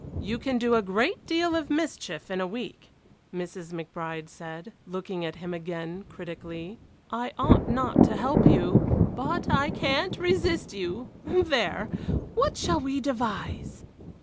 "You can do a great deal of mischief in a week," Mrs. McBride said, looking at him again critically. "I ought not to help you, but I can't resist you there! What can we devise?"